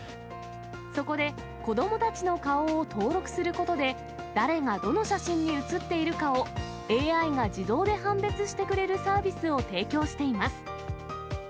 そこで子どもたちの顔を登録することで、誰がどの写真に写っているかをＡＩが自動で判別してくれるサービスを提供しています。